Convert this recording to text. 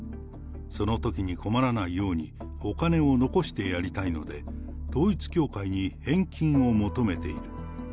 そのときに困らないように、お金を残してやりたいので、統一教会に返金を求めている。